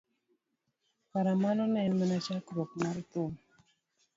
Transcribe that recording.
kara mano ne en mana chakruok mar thum